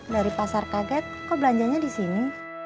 dari pasar kaget kok belanjanya disini